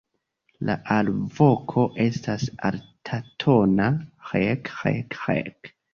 La alvoko estas altatona "rek-rek-rek".